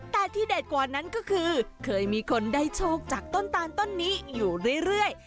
แต่ที่เด็ดกว่านั้นก็คือเคยมีคนได้โชคจากต้นตาลต้นนี้อยู่เรื่อย